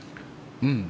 うん。